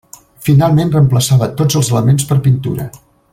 Finalment reemplaçava tots els elements per pintura.